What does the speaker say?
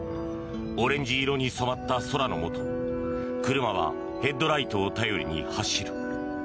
オレンジ色に染まった空のもと車はヘッドライトを頼りに走る。